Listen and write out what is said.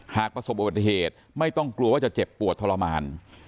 หากประสบอุบัติเหตุไม่ต้องกลัวว่าจะเจ็บปวดทรมาน